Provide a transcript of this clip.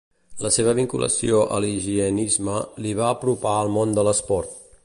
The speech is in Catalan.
La seva vinculació a l'higienisme li va apropar al món de l'esport.